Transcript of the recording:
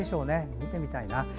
見てみたいな。